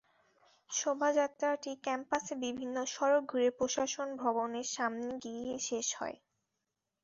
শোভাযাত্রাটি ক্যাম্পাসের বিভিন্ন সড়ক ঘুরে প্রশাসন ভবনের সামনে গিয়ে শেষ হয়।